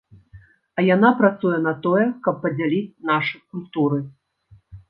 А яна працуе на тое, каб падзяліць нашы культуры.